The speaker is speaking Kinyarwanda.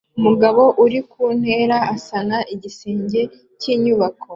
Umugabo uri ku ntera asana igisenge cy'inyubako